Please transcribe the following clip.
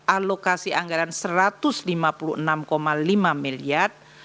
alokasi anggaran rp satu ratus lima puluh enam lima miliar